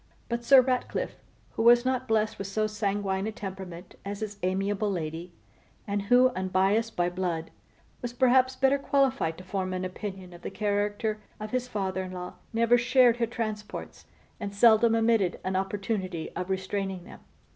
But Sir Ratcliffe, who was not blessed with so sanguine a temperament as his amiable lady, and who, unbiassed by blood, was perhaps better qualified to form an opinion of the character of his father in law, never shared her transports, and seldom omitted an opportunity of restraining them.